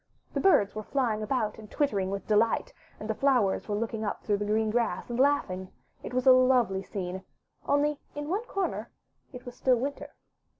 The birds were flying about and twittering with delight, and the flowers were looking up through the green grass and laughing. It was a lovely scene, only in one corner it was still winter.